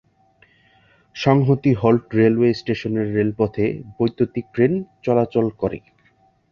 সংহতি halt railway স্টেশনের রেলপথে বৈদ্যুতীক ট্রেন চলাচল করে।